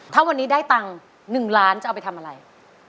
ถ้าวันนี้ได้ตังค์๑ล้านจะเอาไปทำอะไร